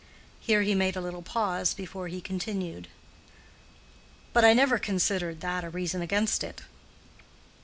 Here he made a little pause before he continued. "But I never considered that a reason against it."